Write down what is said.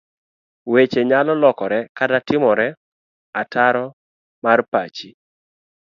Weche nyalo lokore kata timore otaro mar pachi.